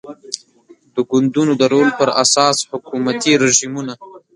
د ګوندونو د رول پر اساس حکومتي رژیمونه